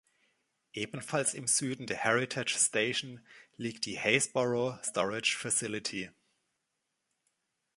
Ebenfalls im Süden der Heritage Station liegt die „Haysboro Storage Facility“.